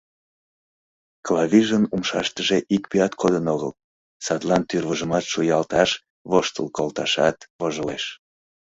Клавижын умшаштыже ик пӱят кодын огыл, садлан тӱрвыжымат шуялташ, воштыл колташат вожылеш.